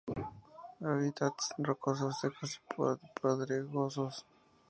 Hábitats rocosos secos y pedregosos.